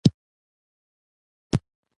زموږ خر په کراره ساه اخلي.